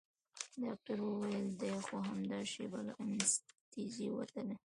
ډاکتر وويل دى خو همدا شېبه له انستيزي وتلى.